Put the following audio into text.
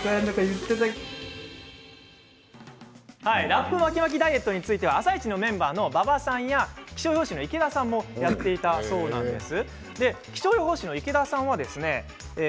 ラップ巻き巻きダイエットについては「あさイチ」のメンバー馬場さんや気象予報士の池田さんもやっていたそうです。